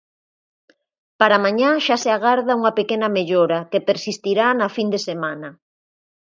Para mañá xa se agarda unha pequena mellora, que persistirá na fin de semana.